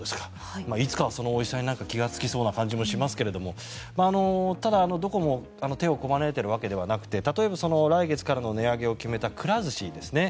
いつかはそのおいしさに気がつきそうな感じもしますがただ、どこも手をこまねいているわけではなくて例えば来月からの値上げを決めたくら寿司ですね